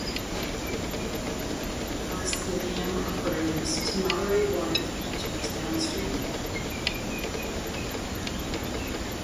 This allows the dam operators to moderate water temperatures downstream.